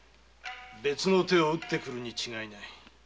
別の手を打ってくるに違いない。